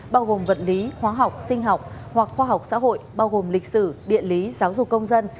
bao gồm vật lý hóa học sinh học hoặc khoa học xã hội bao gồm lịch sử địa lý giáo dục công dân